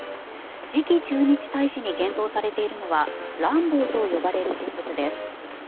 次期駐日大使に検討されているのはランボーと呼ばれる人物です。